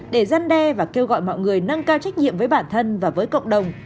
để gian đe và kêu gọi mọi người nâng cao trách nhiệm với bản thân và với cộng đồng